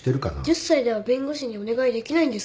１０歳では弁護士にお願いできないんですか？